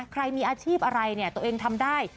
ใครมีอาชีพอะไรเนี่ยตัวเองทำได้